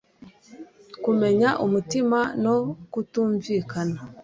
kumenya umutima no kutumvikana